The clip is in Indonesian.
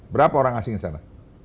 berapa orang asing di sana